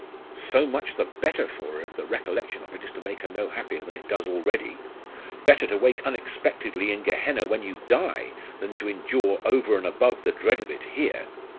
'So much the better for her, if the recollection of it is to make her no happier than it does already. Better to wake unexpectedly in Gehenna when you die, than to endure over and above the dread of it here.